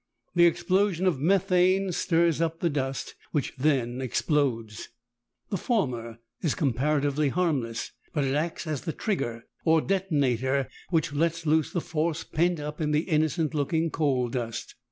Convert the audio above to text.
The explosion of methane stirs up the dust, which then explodes. The former is comparatively harmless, but it acts as the trigger or detonator which lets loose the force pent up in the innocent looking coal dust.